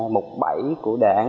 mục bảy của đề án tám trăm bốn mươi bốn